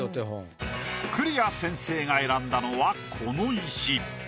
栗屋先生が選んだのはこの石。